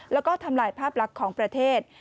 แล้วก็ทำลายภาพลักษณ์ของประเทศ